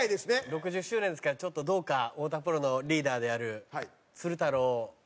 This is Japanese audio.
６０周年ですからちょっとどうか太田プロのリーダーである鶴太郎。